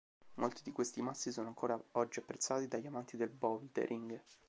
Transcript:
Molti di questi massi sono ancora oggi apprezzati dagli amanti del bouldering.